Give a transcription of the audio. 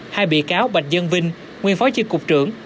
hai bị cáo bạch dương vinh nguyên phó chiên cục trưởng